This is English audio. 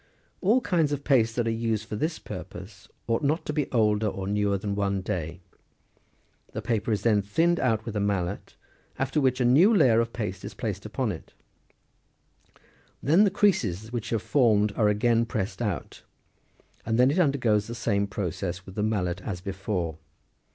All kinds of paste that are used for this purpose, ought not to be older or newer than one day. The paper is then thinned out with a mallet, after which a new layer of paste is placed upon it ; then the creases which have formed are again pressed out, and it then undergoes the same process with the mallet as before.